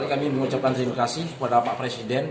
kami mengucapkan terima kasih kepada pak presiden